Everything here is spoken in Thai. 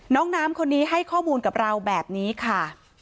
น้องน้ำคนนี้ให้ข้อมูลกับเราแบบนี้ค่ะ